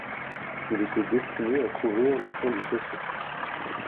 Il était destiné à couvrir le fond du fossé.